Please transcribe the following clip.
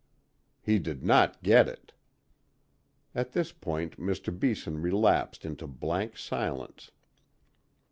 "He did not get it." At this point Mr. Beeson relapsed into blank silence.